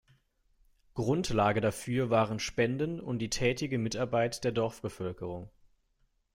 Grundlage dafür waren Spenden und die tätige Mitarbeit der Dorfbevölkerung.